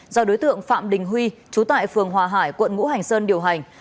do đối tượng phạm đình huy trú tại phường hòa hải quận ngũ hành sơn điều hành